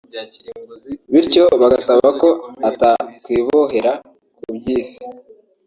bityo bagasaba ko atakwibohera ku by’isi